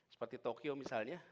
seperti tokyo misalnya